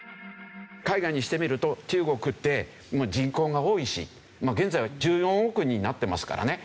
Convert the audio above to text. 海外にしてみると中国って人口が多いし現在は１４億人になってますからね。